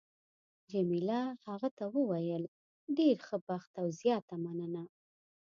جميله هغه ته وویل: ډېر ښه بخت او زیاته مننه.